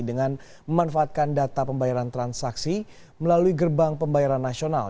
dengan memanfaatkan data pembayaran transaksi melalui gerbang pembayaran nasional